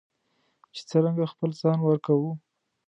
چې څرنګه خپل ځان ورکوو.